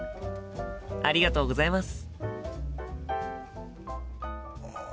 ありがとうございます。